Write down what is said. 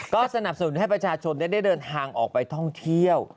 ก็สนับสนุนให้ประชาชนได้เดินทางออกไปท่องเที่ยว